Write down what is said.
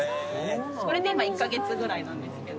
これで今１カ月ぐらいなんですけど。